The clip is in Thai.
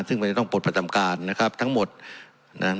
ซึ่งมันจะต้องปลดประจำการนะครับทั้งหมดนะ